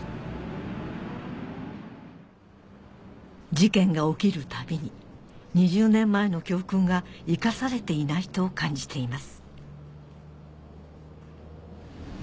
事件が起きるたびに２０年前の教訓が生かされていないと感じています